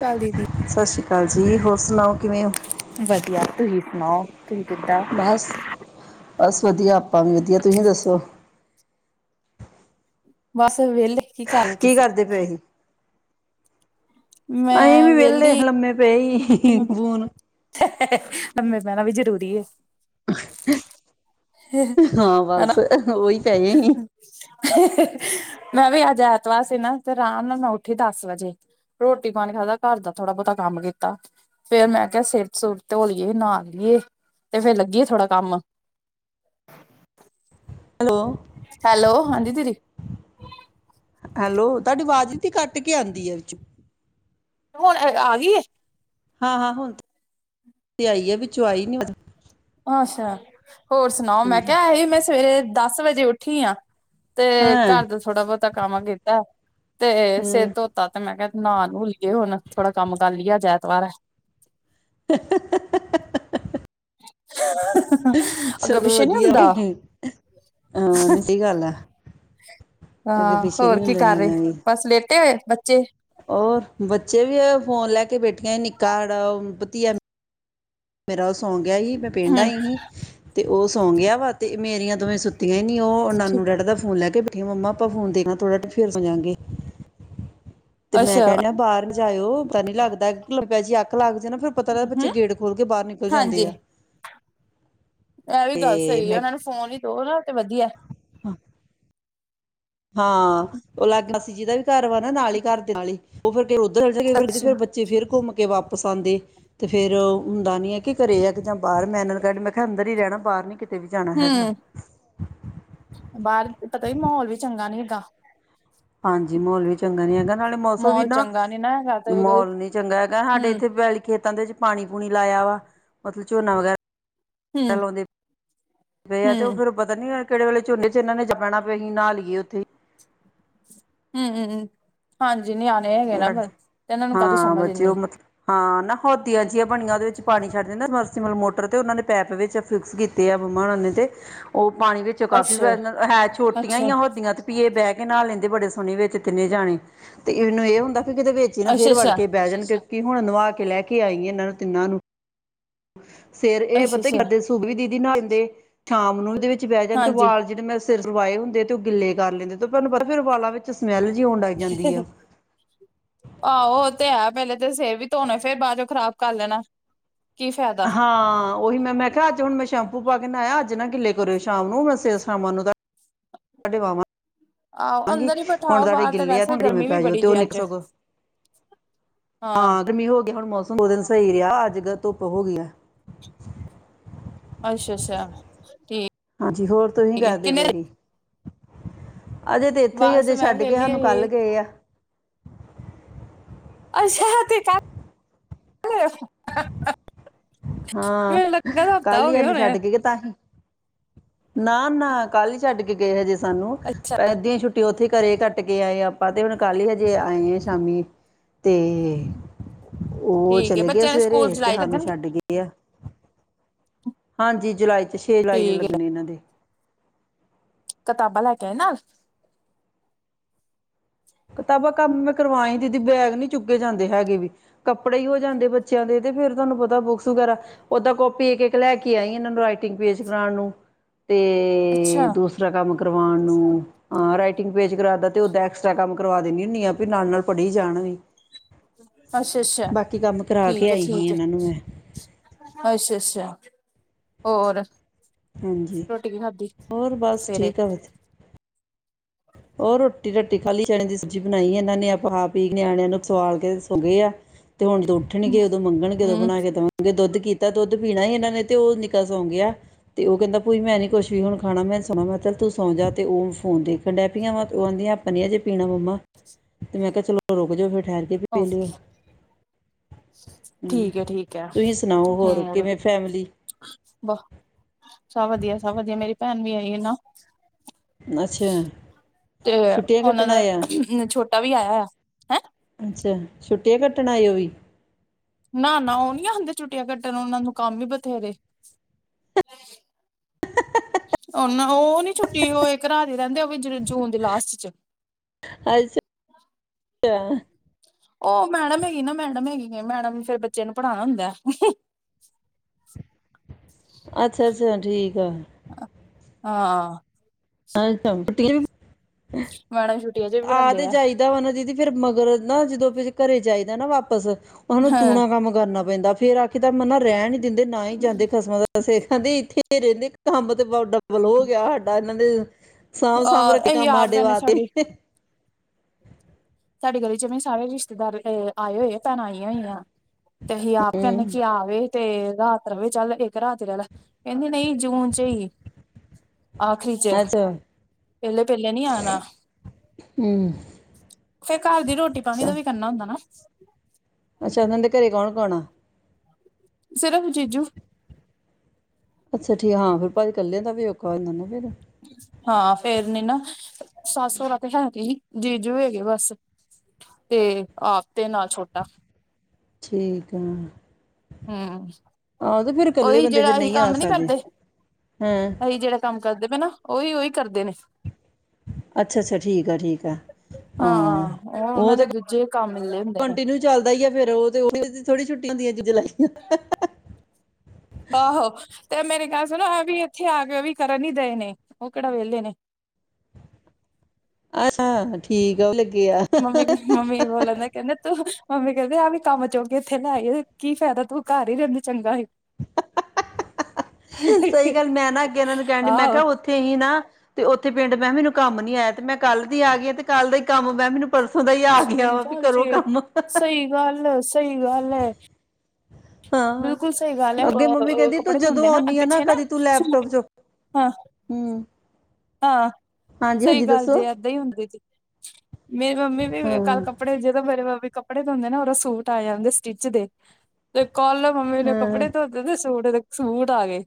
ਚੱਲਦੀ ਦੀ ਹਾਂਜੀ ਹੋਰ ਸੁਣਾਓ ਕਿਵੇਂ ਹੋ? ਵਧੀਆ ਤੁਸੀ ਸੁਣਾਓ। ਤੁਸੀਹੀਂ ਕਿੱਦਾਂ? ਬਸ ਬਸ ਵਧੀਆ ਆਪਾਂ ਵੀ ਵਧੀਆ ਤੁਸੀਂ ਦੱਸੋ ਬਸ ਵਿਹਲੇ ਕੀ ਕਰ ਰਹੇ ਹੋ ਤੁਸੀਂ ਕਰਦੇ ਪਏ ਸੀ? ਅਸੀਂ ਮੈਂ ਵੀ ਵਿਹਲੇ ਵਿਹਲੀ ਲੰਮੇ ਪਏ ਹੀ ਫੋਣ ਲਬੇ ਪੈਣਾ ਵੀ ਜ਼ਰੂਰੀ [inaudible] ਹਾਂ ਬਸ ਉਹੀ ਪਏ ਸੀ ਹਮ ਮੈਂ ਵੀ ਅੱਜ ਐਤਵਾਰ ਸੀ ਨਾ ਤੇ ਆਰਾਮ ਨਾਲ ਮੈਂ ਉੱਠੀ ਦਸ ਵਜੇ ਰੋਟੀ ਪਾਣੀ ਖਾਦਾ ਘਰ ਦਾ ਥੋੜਾ ਬਹੁਤਾ ਕੰਮ ਕੀਤਾ ਫੇਿਰ ਮੈਂ ਕਿਹਾ ਸਿਰ ਸੁਰ ਧੋਲੀਏ ਨ ਲਈਏ ਤੇ ਫੇਿਰ ਲੱਗੀਏ ਥੋੜਾ ਕੰਮ ਹੈਲੋ ਹੈਲੋ ਹਾਂਜੀ ਤੇਰੀ ਹੈਲੋ ਤੁਹਾਡੀ ਆਵਾਜ਼ ਵੀ ਕੱਟ ਕੇ ਆਉਂਦੀ ਆੋਂ ਹੁਣ ਆ ਗਈ ਹਾਂ -ਹਾਂ ਹੁਣ ਆਈ ਆ ਵਿੱਚੋਂ ਆਈ ਨੀ ਉਹ ਅਹਛਾ ਹੋਰ ਸੁਣਾਓ ਮੈਂ ਕਿਹਾ ਸੀ ਮੈਂ ਸਵੇਰੇ ਦਸ ਵਜੇ ਉੱਠੀ ਆ ਤੇ ਹਾਂ ਘਰ ਦਾ ਥੋੜਾ ਬਹੁਤਾ ਕੰਮ ਕੀਤਾ ਤੇ ਸੇ ਹਾਂ ਧੋਤਾ ਤੇ ਮੈਂ ਕਹਿ ਨਾ ਭੁੱਲਏ ਹੁਣ ਥੋੜਾ ਕੰਮ ਕਰ ਲਿਆ ਜਾ ਐਤਵਾਰ [inaudible] ਅੱਗੇ ਚਲੋ ਪਿੱਛੇ ਨੀ ਵਧੀਆ ਹੁੰਦਾ ਹਹ ਨ ਸਹੀ ਗੱਲ ਆ ਅੱਗੇ ਹਾਂ ਪਿੱਛੇ ਹੋਰ ਕੀ ਕਰ ਰਹੇ ਬਸ ਲੇਟੇ ਹੋਏ ਬੱਚੇ ਹੋਰ ਬੱਚੇ ਵੀ ਫੋਨ ਲੈ ਕੇ ਬੇਠੇ ਠੀਆਂ ਨਿੱਕਾੜਾ ਵਤੀਆ ਮੇਰਾ ਸੌਗ ਗਿਆ ਸੀ ਮੈਂ ਪਿੰਡ ਹਮ ਆਈ ਸੀ ਤੇ ਉਹ ਸੌਂ ਗਿਆ ਵਾ ਤੇ ਮੇਰੀਆਂ ਦੋਵੇਂ ਸੁੱ ਤਂ ਹੀ ਨਹੀਂ ਉਹ ਨੂੰ ਰਿੜਦਾ ਫੋਨ ਲੈ ਕੇ ਮਮਾ ਆਪਾਂ ਫੋਨ ਦੇਖਣਾ ਥੋੜਾ ਫਿਰ ਸਜਾਗੇ ਤੇ ਮੈਂ ਅੱਛਾ ਕਹਿਣਿਆ ਬਾਹਰ ਜਾਇਓ ਪਤਾ ਨੀ ਲੱਗਦਾਬ ਜੀ ਅੱਖ ਲੱਗ ਜਾਣਾ ਹਮ ਹਾਂਜੀ ਆ ਇਹ ਵੀ ਗੱਲ ਤੇ ਸਹੀ ਆ ਮੈਂ ਉਹਨਾਂ ਨੂੰ ਫੋਨ ਹੀ ਦੋ ਨਾ ਤੇ ਵਧੀਆ ਹਾਂ ਉਹ ਲਗ ਮਸੀ ਜਿ ਦਾ ਵੀ ਘਰ ਵ ਨਾ ਨਾਲ ਹੀ ਘਰ ਦੇ ਨਾਲ ਹੀ [unintelligible] ਫਿਰ ਉੱਧਰ ਜਾ ਕੇ ਫਿਰ ਅੱਛਾ ਫੇ ਬੱਚੇ ਫਿਰ ਘੁੰਮ ਕੇ ਵਾਪ ਪਸੰਦ ਏ ਤੇ ਫਿਰ ਹੁੰਦਾ ਨੀ ਐ ਕੀ ਘਰੇ ਜਾਂ ਕੇ ਜਾਂ ਬਾਰ ਮੈਂਨਰ ਕਢ ਮੈਂ ਖਾ ਅੰਦਰ ਈ ਰੈਨਾ ਬਾਹਰ ਨੀ ਕੀ ਤੇ ਵੀ ਜਾਣਾ ਹੈਗਾ। ਹਮ ਬਾਹਰ ਪਤਾ ਹੀ ਮਾਹੌਲ ਵੀ [unintelligible] ਹਾਂਜੀ ਮਾਹੌਲ ਵੀ ਚੰਗਾ ਨੀ ਹੈਗਾ ਨਾਲੇ ਮੌਸਮ ਵੀ ਮਾਹੌਲ ਨਾ ਚੰਗਾ ਨੀ ਹੈਗਾ ਤੇ ਮਾਹੌਲ ਨੀ ਚੰਗਾ ਹੈਗਾ ਹਾਡੇ ਹਮ ਇੱਥੇ ਪੈਲੀ ਖੇਤਾਂ ਦੇ ਚ ਪਾਣੀ ਗੁਣੀ ਲਾਇਆ ਵਾ ਮਤਲਬ ਝੋਨਾ ਹਮ ਵਗੈਰਾ ਲੌਦੇ ਪਏ ਆ ਤੇ ਓ ਹਮ ਫਿਰ ਪਤਾ ਨੀ ਕੇਡੇ ਵੇਲੇ ਝੋਨੇ ਚ ਏਨਾਂ ਨੇ ਜਾ ਪੈਣਾ ਪਏ ਅਸੀਂ ਨਾ ਲਈਏ ਓ ਥੇ ਈ ਹੂੰ-ਹੂੰ-ਹੂੰ ਹਾਂਜੀ ਨਿਆਣੇ ਹੈਗੇ ਨਾ ਫਿਰ ਤੇ ਇਹਨਾਂ ਨੂੰ ਕਾਹਦੀ ਹਾਂ ਸਮਝ ਬੱਚੇ ਓ ਇੰਨੀ ਮਤਲ ਹਾਂ ਨਾ ਹੋਦੀਆਂ ਜੀਆਂ ਬਣੀਆਂ ਓਦੇ ਵਿਚ ਪਾਣੀ ਛੱਡ ਦਿੰਨਾ ਸਮਰਸੀਮਲ ਮੋਟਰ ਤੇ ਓਨਾਂ ਨੇ ਪੈਪ ਵਿੱਚ ਫਿਕਸ ਕੀਤੇ ਆ ਬਮਾ ਓਨਾਂ ਤੇ ਓ ਪਾਣੀ ਵਿੱਚ ਕਾਫੀ [unintelligible] ਅੱਛਾ-ਅੱਛਾ, ਹੈ ਛੋਟੀਆਂ ਈ ਹੋਦੀਆਂ ਤੇ ਪੀਏ ਬੇ ਕੇ ਨਾ ਲੈਂਦੇ ਬੜੇ ਸੋਣੇ ਵਿੱਚ ਕਿੰਨੇ ਜਾਣੇ ਤੇ ਮਨੁ ਏ ਹੁੰਦਾ ਕੀ ਕਿਤੇ ਵਿਚ ਈ ਨਾ ਫਿਰ ਵੜ ਅੱਛਾ-ਅੱਛਾ, ਕੇ ਬਹਿ ਜਾਣ ਕੇ ਕੀ ਹੁਣ ਨਵਾ ਕੇ ਲੈ ਕੇ ਆਈ ਆ ਏਨਾਂ ਨੂੰ ਤਿੰਨਾਂ ਨੂੰ ਸੇਰ ਏ ਪਤਾ ਕੀ ਅੱਛਾ-ਅੱਛਾ ਕਰਦੇ ਸੂਖ ਵੀ ਦੀਦੀ ਨਾਲ ਦੇ ਸ਼ਾਮ ਨੂੰ ਇਦੇ ਵਿੱਚ ਚ ਬੇ ਜਾਂਦੇ ਤੇ ਹਾਂਜੀ ਵਾਲ ਜੇੜ੍ਹੇ ਮੈਂ ਸਿਰ ਲਵਾਏ ਹੁੰਦੇ ਤੇ ਓ ਗਿੱਲੇ ਕਰ ਲੈਂਦੇ ਤੇ ਤਾਂਨੂੰ ਪਤਾ ਫਿਰ ਵਾਲਾਂ ਵਿੱਚ ਸਮੈਲ ਜੀ ਓਨ ਲੱਗ ਜਾਂਦੀ ਆ। ਆਹੋ ਓ ਤੇ ਹੈ ਪਹਿਲੇ ਤੇ ਸਿਰ ਵੀ ਧੋਣੇ ਫੇਰ ਬਾਅਦ ਚੋਂ ਖ਼ਰਾਬ ਕਰ ਲੈਣਾ। ਕੀ ਫਾਇਦਾ ਹਾਂ ਓਹੀ ਮੈਂ ਮੈਂ ਕਿਹਾ ਅੱਜ ਹੁਣ ਮੈਂ ਸ਼ੈਂਪੂ ਪਾਕੇ ਨਾਇਆ ਅੱਜ ਨਾ ਗਿੱਲੇ ਕਰਿਓ ਸ਼ਾਮ ਨੂੰ ਮੈਂ ਸ ਸ਼ਾਮਾਂ ਵਾਂਵਾਂ ਆਹੋ ਗੀ ਅੰਦਰ ਹੀ ਹੁਣ ਬਿਠਾਓ ਤੁਹਾਡੇ ਬਾਹਰ ਤੇ ਗਿੱਲੇ ਆ ਤੁ ਵੈਸੇ ਡਿਵੇਂ ਗਰਮੀ ਵੀ ਪੈ ਜਾਓ ਬੜੀ ਤੇ ਓ ਜੇ ਨਿਕਲ ਅੱਜ ਸਕੋ ਹਾਂ ਗਰਮੀ ਹੋ ਗੀ ਹੁਣ ਮੌਸ ਦੋ ਦਿਨ ਸਈ ਰਿਆ ਅੱਜ ਗ ਧੁੱਪ ਹੋ ਗਈ ਐ ਅੱਛਾ-ਅੱਛਾ ਠੀ ਹਾਂਜੀ ਹੋਰ ਤੁਹੀ ਕੀ ਕਰਦੇ ਪਏ ਸੀ ਅਜੇ ਤੇ ਏਥੇ ਈ ਬਸ ਜੇ ਮੈਂ ਛੱਡ ਕੇ ਵਿਹਲੀ ਸਾਨੂੰ ਕੱਲ੍ਹ ਹੋਈ ਗਏ ਆ ਅੱਛਾ ਤੇ ਕਲ ਹਾਂ ਹਫ਼ਤਾ ਕੱਲ ਹੀ ਹੋ ਗਿਆ ਇਹਨੂੰ ਛੱਡ ਹੋਣੇ ਕੇ ਗਈ ਤਾਹੀ ਨਾ ਨਾ ਕੱਲ ਹੀ ਛੱਡ ਕੇ ਜ [unintelligible] ਸਾਨੂੰ ਅੱਧੀ ਛੁੱਟੀ ਉੱਥੇ- ਘਰੇ ਕੱਟ ਕੇ ਆਏ ਆਪਾਂ ਤੇ ਹੁਣ ਕੱਲ ਹੀ ਹਜੇ ਆਏ ਆ ਸ਼ਾਮੀ ਤੇ ਉਹ ਠੀਕ ਏ ਚਲੇ ਗਏ ਬੱਚਿਆਂ ਦੇ ਸਕੂਲ ਸਵੇਰੇ ਤੇ ਜੁਲਾਈ ਲੱਗਣਗੇ ਹਾਨੂੰ ਡਿਗ ਗਿਆ। ਹਾਂਜੀ ਜੁਲਾਈ ਅ ਛੇ ਜੁਲਾਈ ਨੂੰ ਠੀਕ ਏ ਲੱਗਣੇ ਇਹਨਾਂ ਦੇ ਕਿਤਾਬਾਂ ਲੈ ਕੇ ਆਏ ਨਾਲ? ਕਿਤਾਬਾਂ ਕੰਮ ਮੈਂ ਕਰਵਾਈ ਦੀਦੀ ਬੈਗ ਨੀ ਚੁਗੇ ਜਾਂਦੇ ਹੈਗੇ ਕਤਾਬਾ ਕੰਮ ਮੈ ਕਰਵਾ ਆਈ ਦੀਦੀ ਬੈਗ ਨੀ ਚੁੱਕੇ ਜਾਂਦੇ ਹੈਗੇ ਵੀ, ਕੱਪੜੇ ਹੀ ਹੋ ਜਾਂਦੇ ਬੱਚਿਆਂ ਦੇ ਤੇ ਫੇਰ ਤੁਹਾਨੂੰ ਪਤਾ ਬੁੱਕਸ ਵਗੈਰਾ ਓਦਾਂ ਕਾਪੀ ਇੱਕ-ਇੱਕ ਲੈ ਕੇ ਆਈ ਇਹਨਾਂ ਨੂੰ ਰਾਈਟਿੰਗ ਪੇਜ ਕਰਾਉਣ ਨੂੰ ਤੇ ਅੱਛਾ ਦੂਸਰਾ ਕੰਮ ਕਰਵਾਉਣ ਨੂੰ- ਹਾਂ ਰਾਈਟਿੰਗ ਪੇਜ ਕਰਾਦਾ ਤੇ ਉਹ ਡੈਕਸ ਕੰਮ ਕਰਵਾ ਦਿੰਦੀ ਹੁੰਣੀ ਆ ਵੀ ਨਾਲ-ਨਾਲ ਪੜ੍ਹੀ ਜਾਣਗੇ। ਅੱਛਾ ਅੱਛਾ ਕੇ ਠੀਕ ਹੈ ਆਈ ਸੀ ਠੀਕ ਹੈ ਇਹਨਾਂ ਨੂੰ ਮੈਂ ਅੱਛਾ ਅੱਛਾ ਹੋਰ ਹਾਂਜੀ ਰੋਟੀ ਕੀ ਖਾਧੀ ਹੋਰ ਬਸ ਸਵੇਰੇ ਠੀਕ ਆ ਵਧ ਉਹ ਰੋਟੀ-ਰੋਟੀ ਖਾਲੀ ਚਣੇ ਦੀ ਸਬਜ਼ੀ ਬਣਾਈ ਇਹਨਾਂ ਨੇ ਆਪਾਂ ਹਾ ਪੀ ਨਿਆਣਿਆਂ ਨੂੰ ਸਵਾਲ ਕੇ ਸੌ ਗਏ ਆ। ਤੇ ਹੁਣ ਦੋ ਉਠਣਗੇ ਉਦੋਂ ਮੰਗਣਗੇ ਉਦੋਂ ਹਮ ਬਣਾ ਕੇ ਦਵਾੰਗੇ ਦੁੱਧ ਕੀਤਾ ਦੁੱਧ ਪੀਣਾ ਹੀ ਇਹਨਾਂ ਨੇ ਤੇ ਉਹ ਨਿੱਕਾ ਸੌਂ ਗਿਆ ਤੇ ਉਹ ਕਹਿੰਦਾ ਭੂਈ ਮੈਂ ਨਹੀਂ ਕੁਛ ਵੀ ਹੁਣ ਖਾਣਾ ਮੈਂ ਸੁਣਾ ਮੈਂ ਕਿਹਾ ਚੱਲ ਤੂੰ ਸੌਂ ਜਾ ਤੇ ਉਹ ਫੋਨ ਦੇ ਕੰਡੈਪੀਆਂ ਵਾ ਉਹ ਆਹਂਦੀਆਂ ਆਪਾਂ ਨੀਆਂ ਜੇ ਪੀਣਾ ਮੰਮਾ ਤੇ ਮੈਂ ਕਿਹਾ ਚਲੋ ਰੁਕ ਜਾਓ ਫਿਰ ਠਹਿਰ ਕੇ ਪੀ ਲਿਓ ਹਮ, ਠੀਕ ਹੈ ਠੀਕ ਹੈ ਤੁਸੀਂ ਸੁਣਾਓ ਹੋਰ ਕਿਵੇਂ ਫੈਮਿਲੀ ਬਹੁ ਸਭ ਵਧੀਆ ਸਭ ਵਧੀਆ ਮੇਰੀ ਪੈਣ ਵੀ ਆਈ ਏ ਨਾ- ਅੱਛਾ ਤੇ ਛੁੱਟੀਆਂ ਉਹਨਾਂ ਕੱਟਣ ਦਾ ਆਏ ਆ ਛੋਟਾ ਵੀ ਆਇਆ ਆ ਹੈਂ- ਛੁੱਟੀ ਕੱਟਣ ਆ ਉਹ ਹੀ ਟੁਟੀਆਂ ਕੱਟਣ ਉਹਨਾ ਨੂੰ ਕੰਮ ਵੀ ਬਥੇਰੇ [unintelligible] ਉਹਨ ਉਹ ਨੀ ਛੁੱਟੀ ਇੱਕ ਰਾਤ ਦੀ ਰਹਿੰਦੇ ਉਹ ਵੀ ਜੂਨ ਦੀ ਲਾਸਟ ਚ ਅੱਛਿਆ ਉਹ ਮੈਡਮ ਹੈਗੀ ਨਾ ਮੈਡਮ ਹੈਗੀ ਹੈ ਮੈਡਮ ਫੇਰ ਬੱਚੇ ਨੂੰ ਪੜ੍ਹਾਣਾ ਹੁੰਦਾ। ਅੱਛਾ-ਅੱਛਾ ਠੀਕ। [unintelligible] ਹਾਂ [unintelligible] ਵੜਾ ਆਹ ਤੇ ਜਾਈਦਾ ਦੀਦੀ ਤੇ ਫਿਰ ਮਗਰੋਂ ਨਾ ਜਦੋਂ ਘਰੇ ਜਾਈਦਾ ਨਾ ਵਾਪਸ ਉਹਨੂੰ ਹਾਂ ਦੂਣਾ ਕੰਮ ਕਰਨਾ ਪੈਂਦਾ ਫੇਰ ਆਖੀਦਾ ਮਨਾਂ ਰਹਿਣ ਨਾ ਹੀ ਜਾਂਦੇ ਖਸਮਾਂ ਦਾ ਸਿਰ ਖਾਦੇ ਇੱਥੇ ਫਿਰ ਕਹਿੰਦੇ ਕੰਮ ਤੇ ਡਬਲ ਹੋ ਗਿਆ ਸਾਡਾ ਇਹਨਾਂ ਦੇ ਸਾਂਭ ਸਾਂਭ ਅ ਰੱਖੇ ਅਸੀਂ ਕੰਮ ਆਪ ਸਾਡੇ ਕਹਿੰਦੇ ਵਾਸਤੇ ਸਾਡੀ ਸਾਡੇ ਗਲੀ ਚਿਵੇਂ ਸਾਰੇ ਰਿਸ਼ਤੇਦਾਰ ਆਏ ਹੋਏ ਆ ਭੈਣਾਂ ਆਈਆਂ ਹੋਈਆਂ ਤੇ ਅਸੀਂ ਆਪ ਕਹਿੰਦੇ ਹੂੰ ਕੀ ਆਵੇ ਤੇ ਰਾਤ ਰਵੇ ਚੱਲ ਇੱਕ ਰਾਤ ਰਹਿ ਲਾ ਕਹਿੰਦੀ ਨਹੀਂ ਜੂਨ ਚੋ, ਹੀ ਆਖਰੀ ਚ, ਅੱਛਾ ਪਹਿਲੇ ਪਹਿਲੇ ਨੀ ਆਉਣਾ ਹੂੰ ਫਿਰ ਘਰ ਦੀ ਰੋਟੀ ਪਾਣੀ ਚ ਦਾ ਵੀ ਕਰਨਾ ਹੁੰਦਾ ਨਾ ਅੱਛਾ ਉਹਨਾਂ ਦੇ ਘਰੇ ਕੌਣ ਕੌਣ ਆ! ਸਿਰਫ ਜੀਜੂ ਅੱਛਾ ਠੀਕ ਹਾਂ ਫਿਰ ਭਾਜੀ ਕੱਲਿਆਂ ਦਾ ਵੀ ਔਖਾ ਇਹਨਾਂ ਨੂੰ ਫਿਰ ਹਾਂ ਫੇਰ ਨਾ ਸੱਸ ਸਹਰਾ ਤੇ ਹੈ ਨਹੀਂ ਕਿ ਹੀ ਜੀਜੂ ਹੈਗੇ ਬਸ ਤੇ ਆਪ ਤੇ ਨਾਲ ਛੋਟਾ ਠੀਕ ਆ! ਹੂ ਆਹੋ ਤੇ ਫਿਰ ਇਕੱਲੇ ਉਹੀ ਬੰਦੇ ਫਿਰ ਜਿਹੜਾ ਅਹੀ ਨਹੀਂ ਆ ਕੰਮ ਨੀ ਸਕਦੇ ਕਰਦੇ ਹੈਂ ਅਹੀ ਜਿਹੜਾ ਕੰਮ ਕਰਦੇ ਹਨਾ ਉਹੀ ਉਹੀ ਕਰਦੇ ਨੇ ਅੱਛਾ ਅੱਛਾ ਠੀਕ ਆ ਠੀਕ ਆ ਹਾਂ ਉਹ ਉਹਨਾਂ ਨੇ ਤੇ ਦੂਜੇ ਕੰਮ ਮਿਲੇ ਹੁੰਦੇ ਨੇ। ਕੰਟੀਨਿਊ ਚੱਲਦਾ ਹੀ ਆ ਫਿਰ ਉਹ ਤੇ ਉਹ ਥੋੜੀ ਛੁੱਟੀ ਜੀਜੂ ਆਹੋ ਤੇ ਮੇਰੀ ਚਲੋ ਇਹ ਵੀ ਇੱਥੇ ਆ ਕੇ ਇਹ ਵੀ ਕਰਨ ਹੀ ਦਏ ਨੇ ਉਹ ਕਿਹੜਾ ਵਿਹਲੇ ਨੇ। ਅੱਛਾ ਠੀਕ ਆ। ਲੱਗੇ ਆ ਮੰਮੀ ਮੰਮੀ ਬੋਲਣ ਦਾ ਕਹਿੰਦੇ ਤੂੰ ਮੰਮੀ ਕਹਿੰਦੇ ਆਹ ਵੀ ਕੰਮ ਚੁੱਕੇ ਇੱਥੇ ਲੈਏ ਕੀ ਫਾਇਦਾ ਤੂੰ ਘਰ ਹੀ ਰਹਿੰਦੇ ਚੰਗਾ ਸੀ। ਸਹੀ ਗੱਲ ਮੈਂ ਨਾ ਅੱਗੇ ਇਹਨਾਂ ਨੂੰ ਕਹਿਣ ਡੀ ਮੈਂ ਕਿਹਾ ਆਹੋ ਉੱਥੇ ਹੀ ਨਾ ਤੇ ਉੱਥੇ ਪਿੰਡ ਮੈਂ ਮੈਨੂੰ ਕੰਮ ਨਹੀਂ ਆਇਆ ਤੇ ਮੈਂ ਕੱਲ ਦੀ ਆ ਗਈ ਤੇ ਕੱਲ ਦਾ ਹੀ ਕੰਮ ਮੈਂ ਮੈਨੂੰ ਪਰਸੋਂ ਦਾ ਹੀ ਆ ਗਿਆ ਸਹੀ ਵਾ ਵੀ ਗੱਲ ਕਰੋ ਜੀ ਕੰਮ ਸਹੀ ਗੱਲ ਸਹੀ ਗੱਲ ਹੈ। ਹਾਂ ਹਾਂ ਬਿਲਕੁਲ ਸਹੀ ਗੱਲ ਹੈ ਅੱਗੇ ਮੰਮੀ ਅ ਕਹਿੰਦੀ ਤੂੰ ਕੱਪੜੇ ਜਦੋਂ ਧੋਂਦੇ ਅੱਗੇ ਆਉਣੀ ਆ ਪਿੱਛੇ ਨਾ ਕਦੀ ਤੂੰ ਲੈਪਟਾਪ ਸੂਟ ਚੋਂ ਹਾਂ ਹੂੰ ਹਾਂ ਹਾਂਜੀ ਸਹੀ ਹਾਂਜੀ ਗੱਲ ਜੇ ਦੱਸੋ ਏਦਾਂ ਹੀ ਹੁੰਦੀ ਜੀ। ਮੇਰੀ ਮੰਮੀ ਹਾਂ ਵੀ ਕੱਲ ਕੱਪੜੇ ਜਦੋਂ ਮੇਰੇ ਮੰਮੀ ਕੱਪੜੇ ਧੋਂਦੇ ਨਾ ਉਹਦਾ ਸੂਟ ਆਇਆ ਉਹਦੇ ਸਟਿਚ ਦੇ ਕਲ ਮੰਮੀ ਨੇ ਹਾਂ ਕੱਪੜੇ ਧੋਤੇ ਤੇ ਸੂਟ ਇਹਦੇ ਸੂਟ ਆ ਗਏ।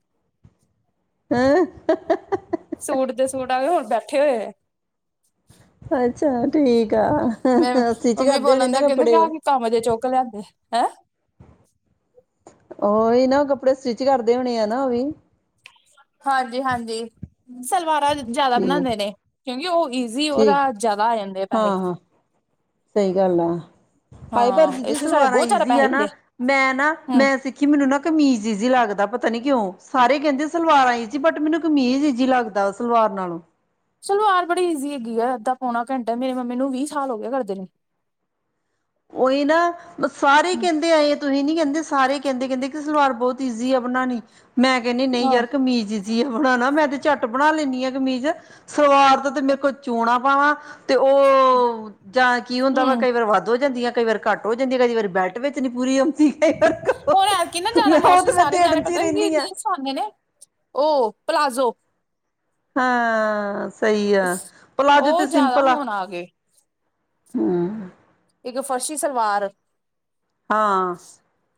ਹੈਂ। ਸੂਟ ਦੇ ਸੂਟ ਆ ਗਏ ਹੁਣ ਬੈਠੇ ਹੋਏ ਐ। ਅੱਛਾ। ਠੀਕ ਆ ਮੈਂ ਸਟਿਚ ਮੰਮੀ ਕਰਦੇ ਹੋਣੇ ਬੋਲਣ ਨਾ ਦਾ ਕਹਿੰਦਾ ਕਿ ਕੱਪੜੇ ਆਹ ਉਹ ਕੀ ਕੰਮ ਦੇ ਚੁੱਕ ਲਿਆਦੇ। ਹੈਂ। ਉਹੀ ਨਾ ਕੱਪੜੇ ਸਟਿਚ ਕਰਦੇ ਹੋਣੇ ਆ ਨਾ ਉਹ ਵੀ। ਹਾਂਜੀ ਹਾਂਜੀ ਸਲਵਾਰ ਜਿਆਦਾ ਠੀਕ ਬਣਾਉਂਦੇ ਨੇ। ਕਿਉਂਕਿ ਉਹ ਈਜ਼ੀ ਉਹਦਾ ਠੀਕ ਜਿਆਦਾ ਆ ਜਾਂਦੇ ਆ ਪੈਸੇ। ਹਾਂ ਹਾਂ ਸਹੀ ਗੱਲ ਆ। ਹਾਏ ਪਰ ਹਾਂ ਦੀਦੀ ਇਥੇ ਸਾਡੇ ਸਲਵਾਰਾਂ ਬਹੁਤ ਜ਼ਿਆਦਾ ਈਜ਼ੀ ਪੈਸੇ ਆ ਹੁੰਦੇ ਨਾ ਮੈਂ ਨਾ ਹੂੰ। ਮੈਂ ਸਿੱਖੀ ਮੈਨੂੰ ਨਾ ਕਮੀਜ਼ ਈਜ਼ੀ ਲੱਗਦਾ। ਪਤਾ ਨਹੀਂ ਕਿਉਂ ਸਾਰੇ ਕਹਿੰਦੇ ਸਲਵਾਰਾਂ ਇਜ਼ੀ ਬਟ ਮੈਨੂੰ ਕਮੀਜ਼ ਇਜ਼ੀ ਲੱਗਦਾ ਸਲਵਾਰ ਨਾਲੋਂ। ਸਲਵਾਰ ਬੜੀ ਈਜ਼ੀ ਹੈਗੀ ਆ। ਅੱਧਾ ਪੌਣਾ ਘੰਟਾ ਮੇਰੇ ਮੰਮੀ ਨੂੰ ਵੀਹ ਸਾਲ ਹੋ ਗਿਆ ਕਰਦੇ ਨੇ। ਉਹੀ ਨਾ ਬ ਸਾਰੇ ਕਹਿੰਦੇ ਆਏ ਤੁਸੀਂ ਨਹੀਂ ਕਹਿੰਦੇ ਸਾਰੇ ਕਹਿੰਦੇ ਕਹਿੰਦੇ ਕਿ ਸਲਵਾਰ ਬਹੁਤ ਈਜ਼ੀ ਆ ਬਣਾਉਣੀ। ਮੈਂ ਕਹਿੰਨੀ ਨਹੀਂ ਹਾਂ ਯਾਰ ਕਮੀਜ਼ ਈਜ਼ੀ ਹੈ ਬਣਾਉਣਾ ਮੈਂ ਤੇ ਝੱਟ ਬਣਾ ਲੈਂਦੀ ਆ ਕਮੀਜ਼ ਸਲਵਾਰ ਤੋਂ ਤੇ ਮੇਰੇ ਕੋਲ ਚੋਣਾਂ ਪਾਵਾਂ। ਤੇ ਉਹ ਜਾਂ ਕੀ ਹੁੰਦਾ ਵਾ ਹੂੰ ਕਈ ਵਾਰ ਵੱਧ ਜਾਂਦੀਆਂ ਕਈ ਵਾਰ ਘੱਟ ਹੋ ਜਾਂਦੀਆਂ। ਕਈ ਵਾਰ ਬੈਲਟ ਵਿੱਚ ਨਹੀਂ ਪੂਰੀ ਆਉਂਦੀ। ਕਈ ਹੁਣ ਵਾਰ ਐ ਕੀ ਨਾ ਜਿਆਦਾ ਮੈਂ ਉਹ ਮੌਸਮ ਤੇ ਮੈਂ ਸਾਰੇ ਜਾਣੇ ਦੇੜਨ ਚ ਹੀ ਪਤਾ ਜ ਰਹਿੰਦੀ ਹਾਂ ਸਾਨੇ ਨੇ ਉਹ ਪਲਾਜ਼ੋ। ਹਾਂ। ਸਹੀ ਆ ਪਲਾਜ਼ੋ ਉਹ ਤੇ ਜ਼ਿਆਦਾ ਸਿੰਪਲ ਆ। ਹੁਣ ਗਏ ਹਾਂ ਇੱਕ ਫਰਸ਼ੀ ਸਲਵਾਰ ਹਾਂ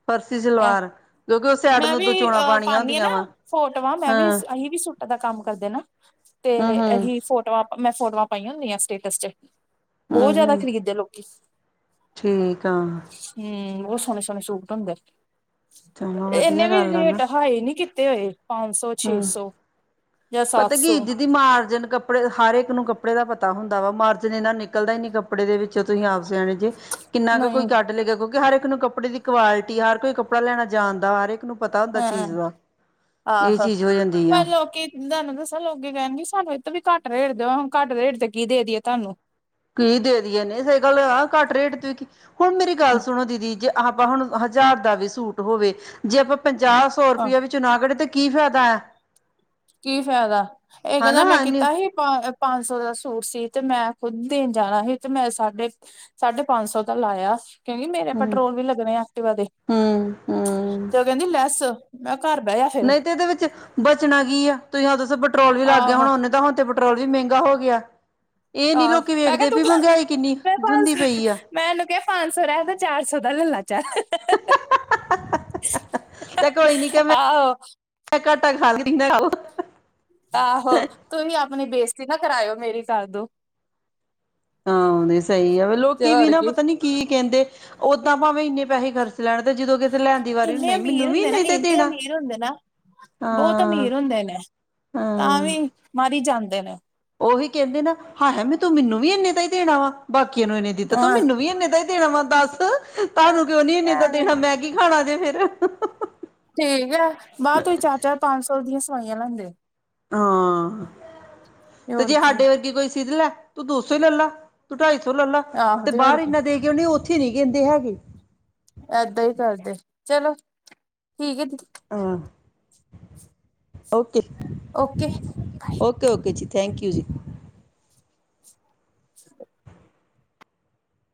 ਫਰਸ਼ੀ ਐ ਸਲਵਾਰ ਜੋ ਕਿ ਉਸ ਮੈਂ ਵੀ ਅਹ ਪਾਦੀ ਹ ਨਾ ਫੋਟੋਆਂ ਮੈਂ ਵੀ ਹਾਂ ਅਸੀਂ ਵੀ ਪਤਾ ਕੰਮ ਕਰਦੇ ਨਾ ਤੇ ਹੂੰ ਹੂੰ ਅਸੀ ਫੋਟੋਆਂ ਮੈਂ ਫੋਟੋਆਂ ਪਾਈਆਂ ਹੁੰਦੀਆਂ ਸਟੇਟਸ ਚੈੱਕ ਬਹੁਤ ਹੂੰ ਜਿਆਦਾ ਹੂੰ ਖ਼ਰੀਦਦੇ ਲੋਕੀ ਠੀਕ ਆ ਹੂੰ ਬਹੁਤ ਸੋਹਣੇ ਸੋਹਣੇ ਸੂਟ ਹੁੰਦੇ? ਚਲੋ ਇਹਨੇ ਵਧੀਆ ਵੀ ਗੱਲ ਆ ਨਾ ਰੇਟ ਹਾਈ ਨਹੀਂ । ਕੀਤੇ ਹੋਏ? ਪੰਜ ਸੌ ਛੇ ਹੂੰ ਸੌ। ਜਾਂ ਪਤਾ ਸੱਤ ਕਿ ਸੌ ਜਿਦੀ ਮਾਰਜਨ ਕੱਪੜੇ ਹਰ ਇੱਕ ਨੂੰ ਕੱਪੜੇ? ਕੱਪੜੇ ਦਾ ਪਤਾ ਹੁੰਦਾ ਵਾ ਮਾਰਜਨ ਇੰਨਾ ਨਿਕਦਾ ਨੀ ਕੱਪੜੇ ਦੇ ਵਿੱਚੋਂ ਤੁਸੀਂ ਆਪ। ਸਿਆਣੇ ਜੇ ਕਿੰਨਾ ਕੁ ਕੋਈ ਨਹੀਂ ਕੱਢ ਲਏ ਗਿਆ ਕਿਉਂਕਿ ਹਰ ਇੱਕ। ਸਾਨੂੰ ਕੱਪੜੇ ਦੀ। ਕੁਆਲਿਟੀ ਹਰ ਕੋਈਂ। ਕੱਪੜਾ ਲੈਣਾ ਜਾਣਦਾ ਹਰ ਇੱਕ ਨੂੰ। ਪਤਾ ਹੁੰਦਾ ਹਾਂ ਚੀਜ਼ ਦਾ ਇਹ ਆਹੋ ਚੀਜ਼ ਹੋ ਜਾਂਦੀ ਆ। ਪਤਾ ਲੋਕੀ ਕਹਿਣਗੇ ਸਾਨੂੰ ਇਹ ਤੋਂ ਵੀ ਘੱਟ ਰੇਟ ਦਿਓ ਹੁਣ ਘੱਟ ਰੇਟ ਤੇ ਕੀ ਦੇ ਦੇਈਏ ਤੁਹਾਨੂੰ। ਕੀ ਦੇ ਦੇਈਦੇ ਨਹੀਂ ਸਹੀ ਗੱਲ ਆ ਘੱਟ ਰੇਟ ਹੁਣ ਮੇਰੀ ਗੱਲ ਸੁਣੋ ਦੀਦੀ ਜੇ? ਆਪਾਂ ਹੁਣ ਹਜ਼ਾਰ ਦਾ ਵੀ ਸੂਟ ਹੋਵੇ ਜੇ ਆਪਾਂ। ਪੰਜਾਹ ਸੌ ਹਾਂ ਰੁਪਇਆ ਵਿੱਚ ਨਾਗੜੇ ਤੇ। ਕੀ ਫਾਇਦਾ ਹੈ? ਕੀ ਫਾਇਦਾ ਇੱਕ ਹਨਾ ਦਿਨ ਮੈਂ ਹੂੰ ਕੀਤਾ ਸੀ ਪੰਜ ਸੌ ਦਾ ਸੂਟ ਸੀ ਤੇ ਮੈਂ? ਖੁੱਦ ਦੇਣ ਜਾਣਾ ਸੀ ਤੇ ਮੈਂ ਸਾਢੇ ਸਾਢੇ ਪੰਜ ਸੌ ਦਾ ਲਾਇਆ? ਕਿਉਂਕਿ ਮੇਰੇ ਪੈਟਰੋਲ ਵੀ ਲੱਗਣੇ ਐਕਟਿਵਾ ਦੇ ਹੂੰ ਹੂੰ ਤੇ ਉਹ ਕਹਿੰਦੀ ਲੈਸ? ਮੈਂ। ਘਰ ਬਹਿ ਜਾ ਫਿਰ ਨਹੀਂ ਤੇ ਇਹਦੇ ਵਿੱਚ ਬਚਣਾ ਕੀ ਆ? ਤੁਸੀਂ ਆਪ ਦੱਸੋਂ ਪੈਟਰੋਲ ਵੀ ਲੱਗ ਗਿਆ ਆਹੋ ਹੋਣਾਂ ਉਹਨੇ ਦਾ ਹੁਣ ਤੇ ਪੈਟਰੋਲ ਵੀ ਮਹਿੰਗਾ ਹੋ ਗਿਆ? ਇਹ ਨੀ ਆਹੋ ਲੋਕੀ ਮੈਂ ਕਿਹਾ ਵੇਖਦੇ ਤੂੰ ਵੀ ਮਹਿੰਗਾਈ ਕਿੰਨੀ ਮੈਂ ਪੰਜ ਹੁੰਦੀ ਸ ਪਈ ਆ ਮੈਂਨੂੰ ਉਹਨੂੰ ਕਿਹਾ ਪੰਜ ਸੌ ਰਹਿਣ ਦੇ ਚਾਰ ਸੌ ਦਾ ਲੈ ਲਾਂ। ਚੱਲ ਤੇ ਕੋਈ ਨੀ ਆਹੋ। ਇੰਨਾ ਖਾ ਲਾ। ਆਹੋ ਆਪਣੀ ਬੇਇਜ਼ਤੀ ਤੁਸੀਂ ਨਾ ਕਰਾਇਓ ਮੇਰੀ ਕਰਦੋ? ਹਾਂ ਹੁਣ ਇਹ ਸਹੀ ਆ ਲੋਕੀ ਵੀ ਨਾ ਪਤਾ ਨੀ ਕੀ ਕਹਿੰਦੇ? ਓਦਾਂ ਭਾਵੇਂ ਇੰਨੇ ਪੈਸੇ ਖਰਚ? ਲੈਣ ਤੇ ਜਦੋਂ ਕਿਤੇ ਲੈਣ ਦੀ ਵਾਰੀ ਇੰਨੇ ਨਹੀਂ ਅਮੀਰ ਮੈਨੂੰ ਵੀ ਹੁੰਦੇ ਨਾ ਨਹੀਂ ਤੇ ਇੰਨੇ ਦੇਣਾ ਅਮੀਰ ਹੁੰਦੇ ਨਾ ਬਹੁਤ ਹਾਂ ਅਮੀਰ ਹੁੰਦੇ ਨੇ ਤਾਂ ਹਾਂ ਵੀ ਮਾਰੀ ਜਾਂਦੇ ਜਾਂਦੇ ਨੇ। ਉਹੀ ਕਹਿੰਦੇ ਨਾ ਹਾਏ ਹਾਏ ਤੂੰ ਮੈਨੂੰ ਵੀ ਇੰਨੇ ਦਾ ਹੀ ਦੇਣਾ ਵਾ ਬਾ ਕੀਆਂ ਨੂੰ ਐਨਾ ਦਿੱਤਾ ਤਾਂ ਮੈਨੂੰ ਵੀ ਐਨੇ ਦਏ? ਦੇਣਾ ਵਾ ਦੱਸ? ਤੁਹਾਨੂੰ ਕਿਉਂ ਨੀ ਇੰਨੇ ਦਾ ਐਵੇਂ ਦੇਣਾ, ਮੈ ਕੀ ਖਾਣਾ ਜੇ ਫੇਰ। [unintelligible] ਠੀਕ ਹੈ, ਬਾਹਰ ਤੁਸੀ ਚਾਰ ਚਾਰ ਪੰਜ ਸੌ ਦੀਆਂ ਈਆ ਲੈਂਦੇ ਓ ਹਾਂ। ਤੇ ਜੇ ਹੋਰ ਕੀ ਸਾਡੇ ਵਰਗੀ ਕੋਈ ਸਿੱਧ ਲੈ ਤੂੰ ਦੋ ਸੌ ਹੀ ਲੈ ਲਾ, ਤੂੰ ਢਾਈ ਸੌ ਲੈ ਲਾ ਆਹੋ ਤੇ ਹੋਰ ਬਾਹਰ ਕੀ ਇੰਨਾ ਦੇ ਕੇ ਆਉਣੀ, ਉੱਥੇ ਧੀਰੀ ਕਹਿੰਦੇ ਹੈਗੀ। ਏਦਾਂ ਹੀ ਕਰਦੇ, ਚਲੋ ਠੀਕ ਐ [unintelligible] ਓਕੇ, ਓਕੇ ਓਕੇ, ਓਕੇ ਜੀ। ਥੈਂਕ ਯੂ ਜੀ। [unintelligible]